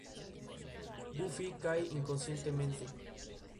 Sus restos descansan en el Cementerio del Norte de Montevideo.